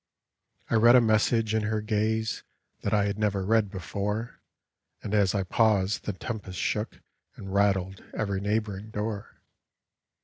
I read a message in her gaze That I had never read before; And as I paused the tempest shook And rattled every neighboring door.